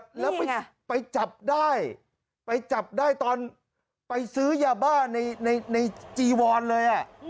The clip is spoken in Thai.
แล้วไปจับได้ไปจับได้ตอนไปซื้อยาบ้าในจีวอนเลย